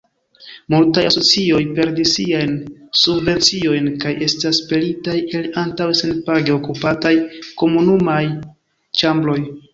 Multaj asocioj perdis siajn subvenciojn kaj estas pelitaj el antaŭe senpage okupataj komunumaj ĉambroj.